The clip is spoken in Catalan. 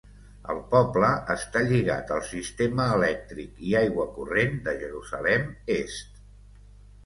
El poble està lligat al sistema elèctric i aigua corrent de Jerusalem Est.